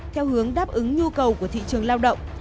theo hướng đáp ứng nhu cầu của thị trường lao động